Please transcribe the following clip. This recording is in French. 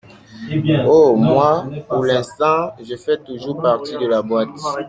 Oh, moi, pour l’instant, je fais toujours partie de la boîte.